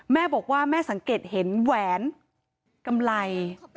แม่บอกว่าแม่สังเกตเห็นแหวนกำไร